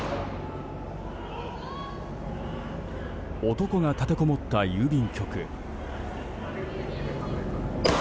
男が立てこもった郵便局。